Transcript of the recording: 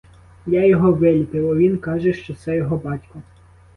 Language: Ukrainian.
Я його виліпив, а він каже, що це його батько.